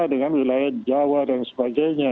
nah itu wilayah jawa dan sebagainya